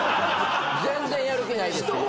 全然やる気ないです。